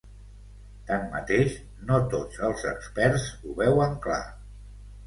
Tanmateix, no tots els experts ho veuen clar.